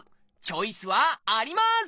チョイスはあります！